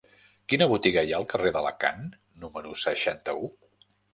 Quina botiga hi ha al carrer d'Alacant número seixanta-u?